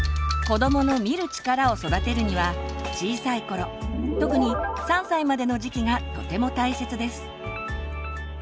子どもの「見る力」を育てるには小さい頃特に３歳までの時期がとても大切です。